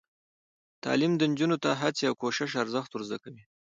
تعلیم نجونو ته د هڅې او کوشش ارزښت ور زده کوي.